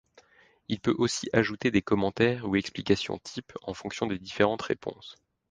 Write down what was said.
Il peut aussi ajouter des commentaires ou explications-types en fonction des différentes réponses.